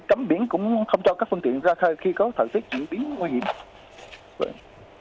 cấm biển cũng không cho các phương tiện ra khai khi có thật sức diễn biến nguy hiểm